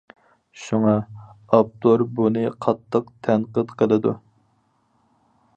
شۇڭا، ئاپتور بۇنى قاتتىق تەنقىد قىلىدۇ.